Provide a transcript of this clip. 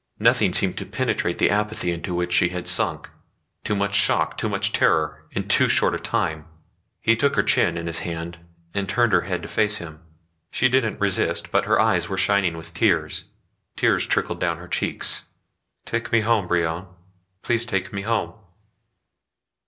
Nothing seemed to penetrate the apathy into which she had sunk. Too much shock, too much terror, in too short a time. He took her chin in his hand and turned her head to face him. She didn't resist, but her eyes were shining with tears; tears trickled down her cheeks. "Take me home, Brion, please take me home."